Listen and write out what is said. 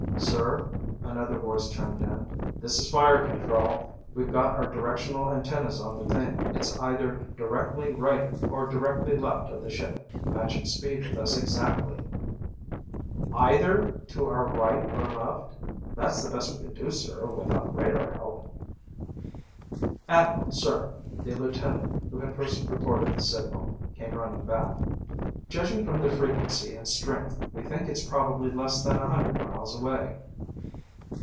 "Sir," another voice chimed in, "this is fire control. We've got our directional antennas on the thing. It's either directly right or directly left of the ship, matching speed with us exactly." "Either to our right or left?" "That's the best we can do, sir, without radar help." "Admiral, sir," the lieutenant who had first reported the signal came running back. "Judging from the frequency and strength, we think it's probably less than a hundred miles away."